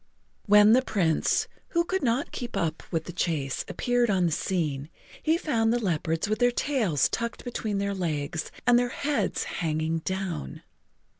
When the Prince, who could not keep up with the chase, appeared on the scene, he found the leopards with their tails tucked between their legs and their heads hanging down.